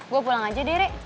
gue pulang aja deh rek